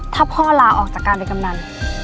ถ้าพ่อลาออกจากการเป็นกำนัน